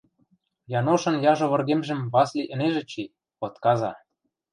Яношын яжо выргемжӹм Васли ӹнежӹ чи, отказа.